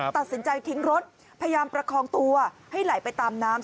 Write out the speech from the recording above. ตัดสินใจทิ้งรถพยายามประคองตัวให้ไหลไปตามน้ำ